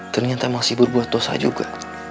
ternyata masih berbuat dosa juga